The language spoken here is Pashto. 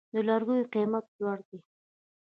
د لرګیو قیمت لوړ دی؟